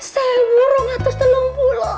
seburung atas telung puluh